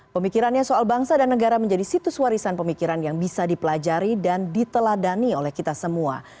pemikirannya soal bangsa dan negara menjadi situs warisan pemikiran yang bisa dipelajari dan diteladani oleh kita semua